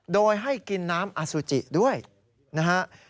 โดยให้กินน้ำอสุจิด้วยนะฮะ